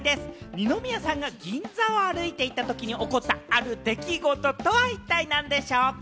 二宮さんが銀座を歩いていたときに起こったある出来事とは一体何でしょうか？